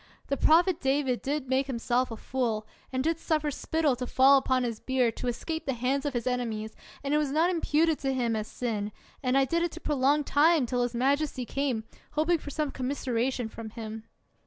The prophet David did make himself a fool, and did suffer spittle to fall upon his beard, to escape the hands of his enemies, and it was not imputed to him as sin, and I did it to prolong time till his majesty came, hoping for some commiseration from him.